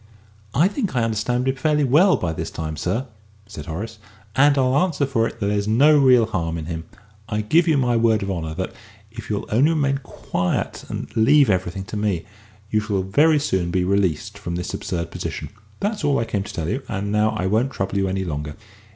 "I think I understand him fairly well by this time, sir," said Horace, "and I'll answer for it that there's no real harm in him. I give you my word of honour that, if you'll only remain quiet and leave everything to me, you shall very soon be released from this absurd position. That's all I came to tell you, and now I won't trouble you any longer.